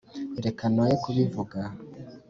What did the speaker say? reka noye kubivuga